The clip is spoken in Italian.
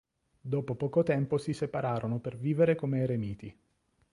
Dopo poco tempo si separarono per vivere come eremiti.